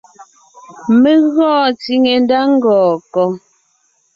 Mé gɔɔn tsìŋe ndá ngɔɔn kɔ́?